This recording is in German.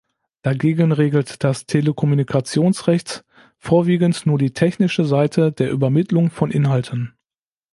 Dagegen regelt das Telekommunikationsrecht vorwiegend nur die technische Seite der Übermittlung von Inhalten.